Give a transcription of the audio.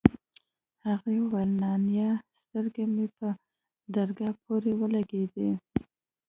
هغې وويل نانيه سترگه مې په درگاه پورې ولگېده.